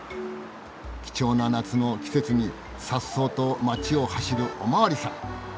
貴重な夏の季節にさっそうと街を走るお巡りさん。